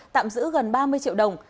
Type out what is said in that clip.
tạm giữ gần ba mươi triệu đồng